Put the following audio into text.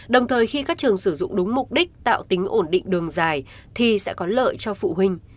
đồng thời khi các trường sử dụng đúng mục đích tạo tính ổn định đường dài thì sẽ có lợi cho phụ huynh